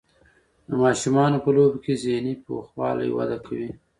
د ماشومانو په لوبو کې ذهني پوخوالی وده کوي.